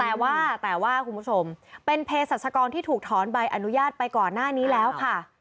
แต่ว่าแต่ว่าคุณผู้ชมเป็นเพศรัชกรที่ถูกถอนใบอนุญาตไปก่อนหน้านี้แล้วค่ะ